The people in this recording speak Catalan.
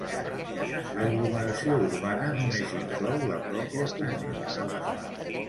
L'aglomeració urbana només inclou la pròpia comuna.